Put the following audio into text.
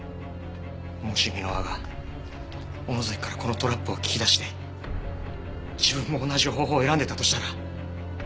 もし箕輪が尾野崎からこのトラップを聞き出して自分も同じ方法を選んでたとしたら。